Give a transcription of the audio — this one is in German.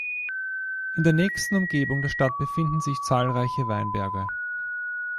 In der nächsten Umgebung der Stadt befinden sich zahlreiche Weinberge.